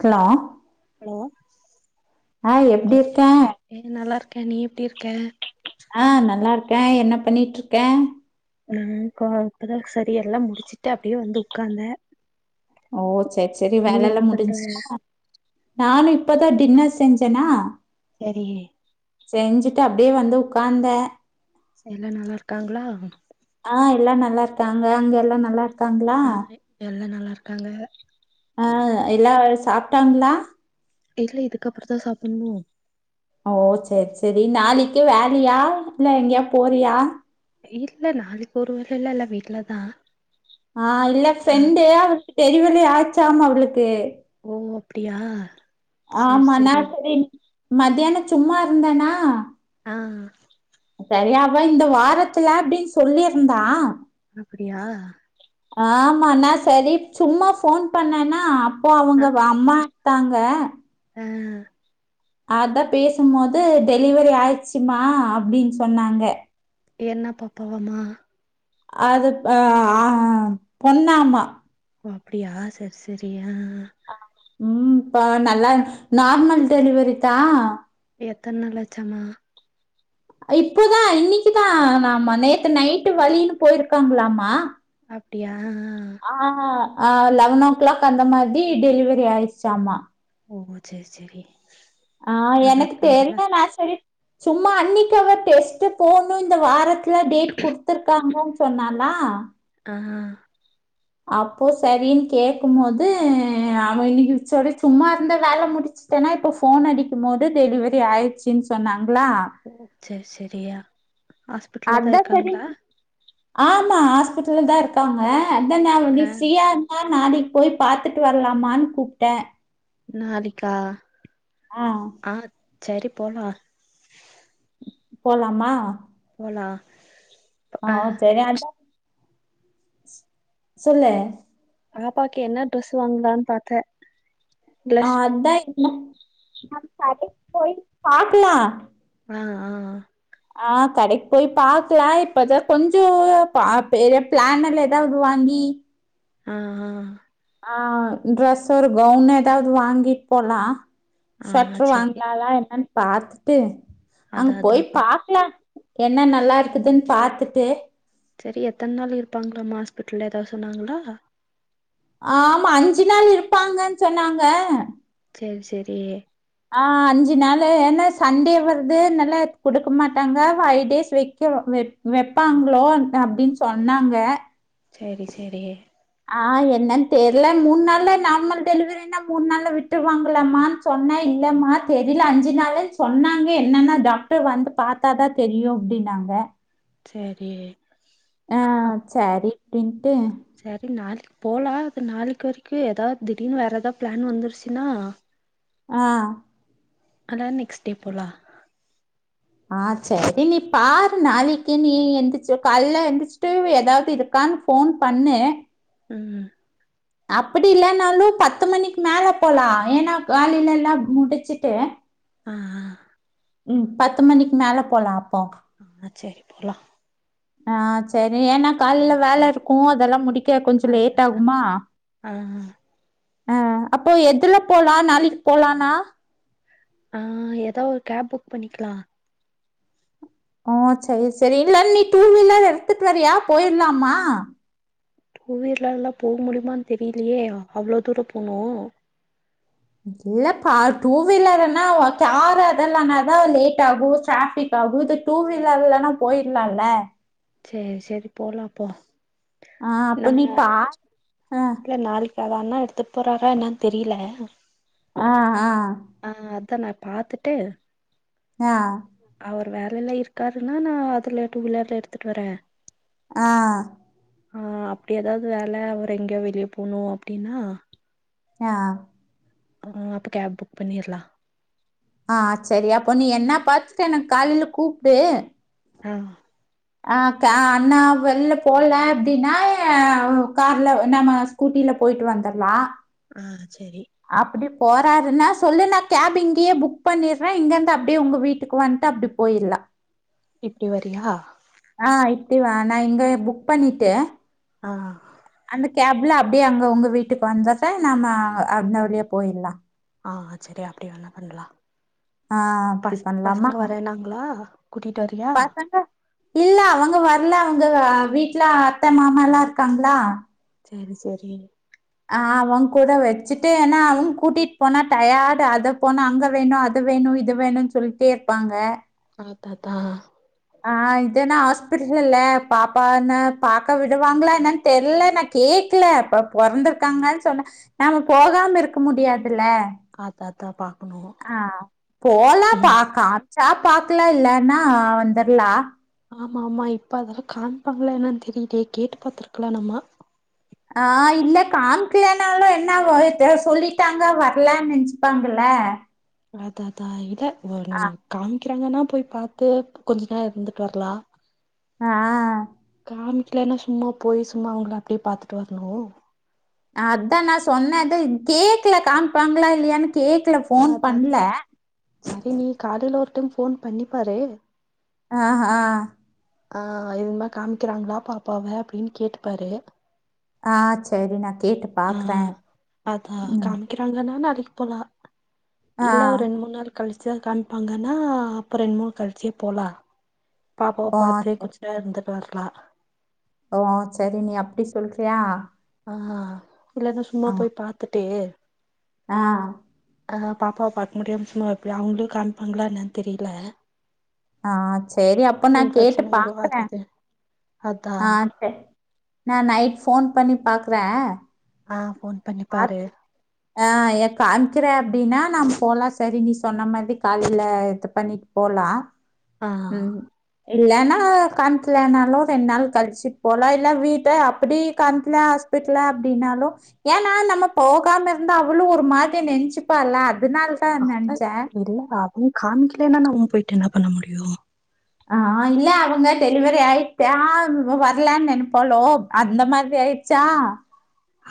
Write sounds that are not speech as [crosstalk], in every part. hello hello ஆ hello எப்படிருக்கே ஏ நல்லாருக்கே நீ எப்பிடிருக்க ஆ நல்லாருக்கே என்ன பண்ணிட்டுருக்க ந இப்போ இப்போதா சரியர்ல்லா முடிச்சுட்டு அப்டியே வந்து உக்காந்தே ஓ செரி செரி நீ வேலெல்லா என்ன பண்ற முடிஞ்சுசா நானு இப்பதா டின்னர் செஞ்சனா சரி செஞ்சுட்டு அப்டியே வந்து உக்காந்தே எல்லா நல்லாருக்காங்களா ஆ எல்லாம் நல்லாருக்காங்க அங்க எல்லா நல்லாருக்காங்களா ஆ எல்லா நல்லாருக்காங்க ஆ எல்லா சாப்ட்டாங்ளா இல்ல இதுக்கப்புறோ தா சாப்புன்ணு ஓ செரி செரி நாளைக்கே வாரியா இல்ல எங்கேயா போறியா இல்ல நாளைக்கி ஒரு வேலல்ல வீட்டலதா ஆ இல்ல ஃப்ரெண்ட்டு அவுளுக்கு டெலிவரி ஆச்சாம அவுளுக்கு ஓ அப்பிடியா ஆமா நா செரி மத்தியானோ சும்மாருந்தனா ஆ சரியாவா இந்த வாரத்துல அப்டின் சொல்லிருந்தா அப்பிடியா ஆமா நா செரி சும்மா ஃபோன் பண்ணேன்னா அப்போ ஆ அவுங்க அம்மா தாங்க ஆ ஆதா பேசும்மோது டெலிவரி ஆயிருச்சுமா அப்டின் சொன்னாங்க என்னப் பாப்பாவாமா அதுப் அ ஆ பொண்ணாமா ஓ அப்டியா செரி செரி ஆ ம் பா நல்லா நார்மல் டெலிவரி தா எத்தன் நாளாச்சாமா அ இப்போதா இன்னைக்குதானாமா நேத்து நைட்டு வலின்னு போயிருக்காங்ளாமா அப்டியா ஆ ஆ ஆ லெவன் ஓ கிளாக் அந்த மாதி டெலிவரி ஆயிருச்சாமா ஓ சேரி சேரி ஆ எனக்கு தெரியல நா செரி சும்மா அன்னைக் அவ டெஸ்ட்டு போணு இந்த வாரத் துல டேட் குடுத்துருக்காங்கன் சொன்னாலா ஆ ஹா அப்போ சரினு கேக்கும்மோது அவ இன்னைக்கு செரி சும்மா இருந்தா வேல முடிச்சு ஏனா இப்ப ஃபோன் அடிக்கும்மோது டெலிவரி ஆயிருச்சின் சொன்னாங்ளா ஓ செரி செரியா ஹாஸ்பிட்டல்ல தா அதா செரி இருக்காங்களா ஆமா ஹாஸ்பிட்டல்ல தா இருக்காங்க அத நா நீ ஆ ஃப்ரீயா இருந்தா நாளைக்கு போய் பாத்துட்டு வர்லாமான் கூப்ட்டே நாளைக்கா ஆ ஆ சரி போலா போலாமா போலா ஆ செரி அதா சொல்லு பாப்பாக்கு என்ன ட்ரெஸு வாங்கலான் பாத்தே ஆ ப்ளஷ் அதா இந்த அதுக் கடைக் போயி பாக்கலா அ ஆ ஆ கடைக்கு போய் பாக்கலா இப்பதா கொஞ்ச பா பெரிய பிளான் இல்ல எதாவ்து வாங்கி ம் ம் ஆ ட்ரெஸ் ஒரு கவுன் எதாவ்து வாங்கிட்டு போலா ஆ சொட்ரு செரி வாங்குனாலா என்னன் பாத்துட்டு அதா அங்க போய் அதாப்பா பாக் க்லா என்ன நல்லா இருக்குதுன் பாத்துட்டு செரி எத்தன் நாள் இருப்பாங்ளாம்மா ஹாஸ்பிட்டல்ல எதாவ்து சொன்னாங்களா ஆமா அஞ்சு நாள் இருப்பாங்கன் சொன்னாங்க சேரி சேரி ஆ அஞ்சு நாளு ஏனா சண்டே வருது அத்னால குடுக்க மாட்டாங்க ஃபைவ் டேஸ் வெக்க வெக் வெப்பாங்ளோ அப்டின் சொன்னாங்க சேரி சேரி ஆ என்னன் தெர்ல மூண் நாள்ல நார்மல் டெலிவரினா மூண் நாள்ல விட்டுருவாங்கலாமா சொன்ன இல்லம்மா தெரியல அஞ்சு நாளுன் சொன்னாங்க என்னன்னா டாக்டர் வந்து பாத் த்தா தா தெரியு அப்டின்னாங்க சேரியே ஆ சரி அப்டின்ட்டு சரி நாளைக்கு போலா அது நாளைக்கு வரைக்கு எதாவ்து திடீர்னு வேற எதா பிளான் வந்துருச்சுனா ஆ அதா நெக்ஸ்ட் டே போலா ஆ சரி நீ பாரு நாளைக்கு நீ எந்திச்சு காலைல எந்திரிச்சிட்டு ஏதாவது இதுப் க்கான் ஃபோன் பண்ணு ம் அப்படி இல்லைனாலு பத்து மணிக்கு மேல போலா ஏன்னா காலைல எல்லா முடிச்சுட்டு ஆஆ ம் பத்து மணிக்கு மேல போலா அப்போ ஆ சேரி போலா ஆ சரி ஏன்னா காலைல வேல இருக்கு அதெல்லா முடிக் க கொஞ்ச லேட் அததா ஆகுமா ஆ ஆ அப்போ எதுல போலா நாளைக்கு போலானா ஆ ஏதா ஒரு கேப் புக் பண்ணிக்லா ஓ செரி செரி இல்ல நீ டூ வீலர் எடுத்துட்டு வர்யா போயிர்லாமா கூவிலர்ல போ முடியுமானு தெரிலியே அவ்ளோ தூர போணு இல்ல பா டூ வீலர்ருன்னா ஓகே கார் அதுல்லனதா லேட் ஆகு டிராஃபிக் தகுது டூ வீலர்லனா போயிர்லால்ல செரி செரி போலா அப்போ ஆ அப்ப நா நீ பா ஆ இல்ல நாளைக் அத அண்ணா எடுத்துட் போறாரா என்னன் தெரியில ஆ ஆ ஆ அத நா பாத்துட்டு ஆ அவர் வேலைல இருக்காருனா நா அதுல டூ வீலர்ல எடுத்துட்டு வர ஆ ஆ அப்டி ஏதாவது வேல அவர் எங்கேய வெளியே போணு அப்டினா ஆ [unintelligible] அப்ப கேப் புக் பண்ணிற்லா ஆ சரி அப்போ நீ என்ன பாத்துட்டு என்னக் காலைல கூப்டு ஆ அ க அண்ணா வெள்ல போல அப்டினா வு கார்ல நம்ம ஸ் கூட்டில போயிட்டு வந்துர்லா ஆ சேரி அப்படி போறாருன்னா சொல்லு நா கேப் இங்கயே புக் பண்ணிறே இங்க இருந்து அப்படியே உங்க வீட்டுக்கு வன்ட்டு அப்டிப் போயிர்லா இப்டி வரியா ஆ இப்டிவா நா இங்கயே புக் பண்ணிட்டே ஆ அந்த கேப்ல அப்படியே அங்க உங்க வீட்டுக்கு வந்தர்றே நம்ம அ அந்த வழியே போயில்லா ஆ சரி அப்டிவேணா பண்ணலா ஆ பச அப்டி பசங்க பண்லாமா வறேன்னாங்களா கூட்டிட்டு வரியா பசங்க இல்ல அவங்க வர்ல அவங்க வ வீட்ல அத்த மாமா எல்லா இருக்காங்ளா சேரி சேரி ஆ அவ கூட வச்சுட்டு ஏனா அவன் கூட்டிட் போனா டயாடு அத போனா அங்க வேணு அத் து வேணு இது வேணுனு சொல்ட்டே இருப்பாங்க ஆத்தத்தா ஆ இதென்ன ஆஸ்பிட்டல் இல்ல பாப்பான்ன பாக்க விடுவாங்ளா என்னன் தெர்ல எனக் கேக்ல அப்ப பொறந்திருக்காங்கன் சொன்ன நாம போகாம இர்க்க முடியாதுல ஆ தாத்தா பாக்குனு ஆ போலாபா காச்சா பாக்லா இல்லனா வந்துர்லா ஆமாமா இப்ப அதல்லா காம்ப்பாங்ளா என்னன் தெரிலியே கேட்டு பாத்துருக்லா நம்ம ஆ இல்ல காம்க்கிலனாலு என்ன ஆகு நேத்தே சொல்லிட்டாங்க வர்லன் நென்ச்சுப்பாங்கல அததா இல்ல ஒரு நம்ம காமிக்கிறாங்னா போய் பாத்து கொஞ்ச நேரோ இருந்துட்டு வர்லா ஆ காமிக்லனா சும்மா போயி சும்மா அவுங்கள அப்டியே பாத்துட்டு வர்ணு அதா நா சொன்னது கேக்ல காமிப்பாங்ளா இல்லயான் கேக்ல ஃபோன் அததா பண்ல செரி நீ காலைல ஒரு டைம் ஃபோன் பண்ணிப்பாரு ஆ ஹா ஆ இதுமா காம்க்கிறாங்ளா பாப்பாவ அப்டின் கேட்டுப்பாரு ஆ செரி நா கேட்டுப் ஆ அதா காம்க்கிறாங்கனா நாளக்கி போலா ஆ இல்ல ஒரு ரெண் மூன் நாள் கழ்ச்சி தா காமிப்பாங்கனா அப்போ ரெண் மூன் கழ்ச்சே போலா பாப்பாவ ஓ பாத்து சரி கொஞ்சோ நேரோ இந்துட்டு வர்லா ஓ செரி நீ அப்டி சொல்றியா ஆ இல்லன்னா சும்மா ஆ போய் பாத்துட்டு ஆ ஆ பாப்பாவ பாக் முடியு சும்மா எப்டி அவுங்ளுயு காமிப்பாங்ளா என்னன் தெரில ஆ சேரி அப்ப நா கேட்டு இன்ஃபெக்ஷன் ஆயிரு அது பாக்குறே இது அதா ஆ சேர் நா நைட் ஃபோன் பண்ணி பாக்குறே ஆ ஃபோன் பண்ணிப்பாரு பாத்து ஆ எ காம்க்கிறே அப்டின்னா நம் போலா செரி நீ சொன்ன மாரி காலைல இது பண்ணிட்டு போலா ஆ ம் இல்லன்னா காம்க்கிலனாலு ரெண் நாள் கழிச்சி போலா இல்ல வீட்ட அப்டி காமிக்ல ஆஸ் பிட்ல அப்டின்னாலு ஏனா நம்ம போகாம இருந்தா அவ்ளு ஒரு மாரி நென்ச்சுப்பால அதுனால் அது இல்ல அவுங் காமிக்லன்னா நம்ம போய்ட்டு என்ன பண்ண முடியு ஆ இல்ல அவுங்க டெலிவரி ஆயிட்ட வர்லன் நென்ப்பாலோ அந்த மாரி ஆய்ர்ச்சா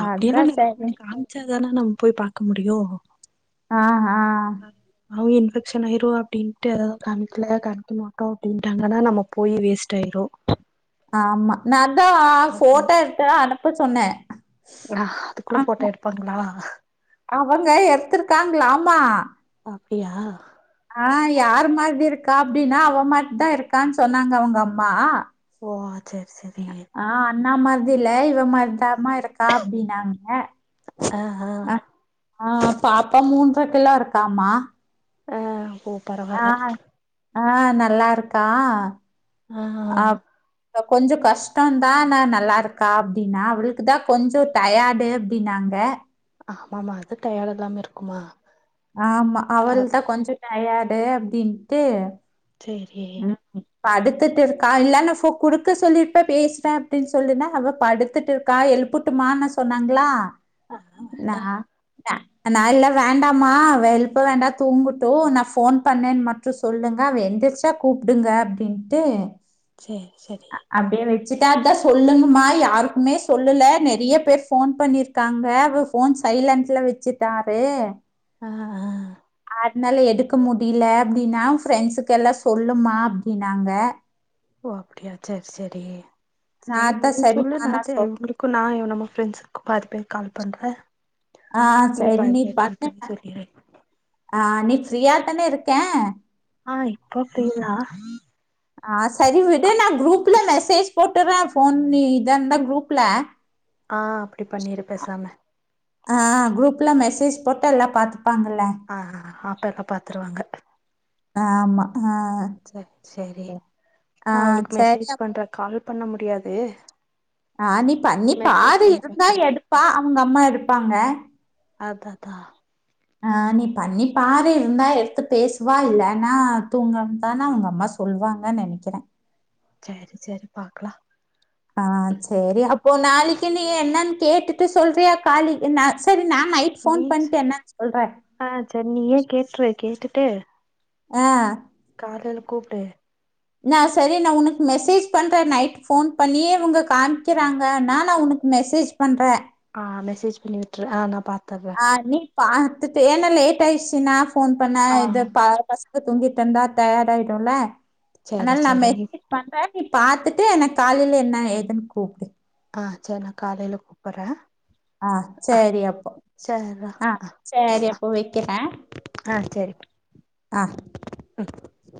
அப்டில்லா நெனைக்க மாட்டா காம்ச்சாதானே நம்ம போய் பாக்க முடியு ஆ ஹா அவு இன்ஃபெக்ஷன் ஆயிருவா அப்டின்ட்டு அததா காமிக்ல காமிக்க மாட்டோ அப்டின்ட்டாங்கனா நம்ம போயி வேஸ்ட்டாயிரு ஆமா நா தா அதா ஃபோட்டோ எட்த்து அனுப்ப சொன்னே ஆ அதுக்குள்ள போட்டோ எடுப்பாங்களா அவங்க எட்த்திருக்காங்ளாமா அப்டியா ஆ யார் மாரி இருக்கா அப்டினா அவ மார்தா இருக்கான் சொன்னாங்க அவுங்கம்மா ஓ ஆ சேர் சேரி ஆ அண்ணா மாதி இல்ல இவ மார்தாமா இருக்கா அப்டினாங்க ஆ ஹா ஆ பாப்ப மூன்ற கிலோ இருக்காமா ஆ ஒ ஆ ஆ நல்லா இருக்கா ஆ அப் ப கொஞ்சம் கஷ்டம் தான் நான் நல்லா இருக்கா அப்டின்னா அவளுக்கு தான் கொஞ்சோ டயாட்டு அப்டினாங்க ஆமாம்மா அது டயர்ட் இல்லாம இருக்குமா ஆமா அ அவளுக்குதான் கொஞ்சோ டயர்டே அப்டின்ட்டு சேரி உகும் படுத்துட்டு இருக்கா இல்ல ந சு கொடுக்க சொல்லிருப்பே பேசுறேன் அப்டின்னு சொல்லுன்னா அவ படுத்துட்டு இரு க்கா எழுபட்டுமான சொன்னாங்களா நா அடா விட்ட நான் இல்ல வேண்டாமா எழுப்ப வேண்டாம் தூங்கட்டும் நான் ஃபோன் பண்ணேன்னு மட்டும் சொல்லுங்க அவ எந்துருச்சா கூப்டுங்க அப்டின்ட்டு சேர் சேரி அப்டியே வச்சுட்டா அதான் சொல்லுங்கமா யாருக்குமே சொல்லல நெறையா பேர் போன் பண்ணிரு க்காங்க அவ போன் சைலன்ட்ல வச்சுட்டாரு ஆ ஆ அதனால எடுக்க முடியல அப்டின்னா ஃப்ரெண்ட்ஸுக்கு எல்லாம் சொல்லுமா அப்டின்னாங்க ஓ அப்டியா சேர் சேரி நா செரி அதா நீ சொல்லு சரிமா நா நான் தெ சொல் இவங்களுக்கும் நான் இவ நம்ம ஃப்ரெண்ட்ஸக்கும் பாதி பேர்க்கு கால் பண்றேன் ஆ சரி நீ பண்ணுங்க சொல்லிரு ஆ நீ ஃப்ரீயா தானே இருக்க ஆ இப்போ ஃப்ரீ தா ஆ சரி விடு நா குரூப்ல மெசேஜ் போட்டுற போன் நீ இதருந்த குரூப்ல ஆ அப்டி பண்ணிரு பேசாம ஆ குரூப்ல மெசேஜ் போட்ட எல்லா பாத்துப்பாங்கல்ல ஆ அப்பப்ப பாத்துருவாங்க ஆமா அ அ சேர் செரி அவளுக்கு சரி மெசேஜ் அப்- பண்ற கால் பண்ண முடியாது ஆ நீ பண்ணி மெசேஜ் பாரு பண்ணி இருந்தா பாக்குறே எடுப்பா அவுங்க அம்மா இருப்பாங்க அதா அதா ஆ நீ பண்ணி பாரு இருந்தா எடுத்து பேசுவா இல்லன்னா தூங்கறான் தான அவுங்க அம்மா சொ ல்வாங்கன் நெனைக்கிற சேரி சேரி பாக்கலா ஆ சேரி அப்போ நாளைக்கு நீ என்னன்னு கேட்டுட்டு சொல்றியா காலி நா செரி நா நைட் ஃபோன் நீ பண்டு என்னன்னு சொல்ற ஆ சேர் நீயே கேட்ரு கேட்டுட்டு ஆ காலைல கூப்டு நா செரி நா உனக்கு மெசேஜ் பண்ற நைட் ஃபோன் பண்ணியே உங்க காமிக்கிறாங்கன்னா நா உனக்கு மெசேஜ் பண்ற ஆ மெசேஜ் பண்ணி விட்ரு அ நான் பாத்தற அ நீ பாத்துட்டு ஏன்னா லேட் ஆயிடுச்சுன்னா ஃபோன் பண்ணா ஆ எடு ப பச ங்க தூக்கிட்டு இருந்தா டயர்டா ஆய்டும்ல சரி அதனால சரி நம்ம நீ சடார்ன்னு பாத்துட்டு எனக் காலையில என்ன ஏதுன் கூப்டு ஆ சர் நா காலையில கூப்பறே ஆ ச்சரி அப்ப ஆ ச்சரி அப்ப வெக்கற ஆ சரி ஆ [inaudible]